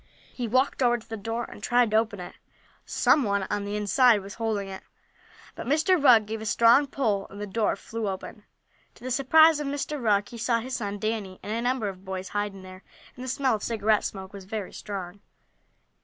He walked over to the door, and tried to open it. Some one on the inside was holding it, but Mr. Rugg gave a strong pull, and the door flew open. To the surprise of Mr. Rugg he saw his son Danny, and a number of boys, hiding there, and the smell of cigarette smoke was very strong.